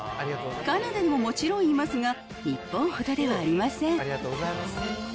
カナダでももちろん言いますが、日本ほどではありません。